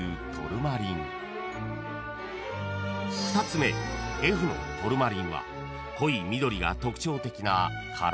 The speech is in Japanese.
［２つ目Ｆのトルマリンは濃い緑が特徴的なカラーストーン］